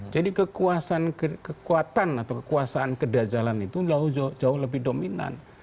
jadi kekuasaan kekuatan atau kekuasaan kedajalan itu jauh lebih dominan